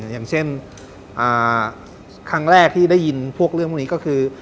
อย่างเช่นครั้งแรกที่ได้ยินพวกเรื่องพวกนี้ก็คือ